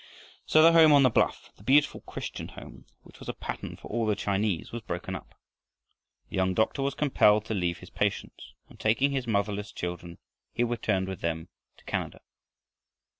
So the home on the bluff, the beautiful Christian home, which was a pattern for all the Chinese, was broken up. The young doctor was compelled to leave his patients, and taking his motherless children he returned with them to Canada.